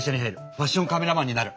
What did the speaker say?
ファッションカメラマンになる！